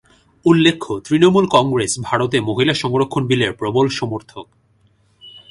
উল্লেখ্য, তৃণমূল কংগ্রেস ভারতে মহিলা সংরক্ষণ বিলের প্রবল সমর্থক।